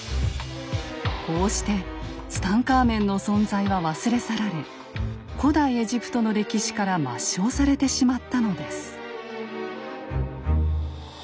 こうしてツタンカーメンの存在は忘れ去られ古代エジプトの歴史から抹消されてしまったのです。